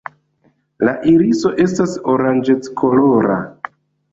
La iriso estas oranĝeckolora.